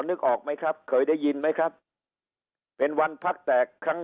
นึกออกไหมครับเคยได้ยินไหมครับเป็นวันพักแตกครั้ง